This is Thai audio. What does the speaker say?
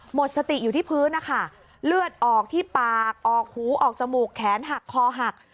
หมดสติอยู่ที่พื้นนะคะเลือดออกที่ปากออกหูออกจมูกแขนหักคอหัก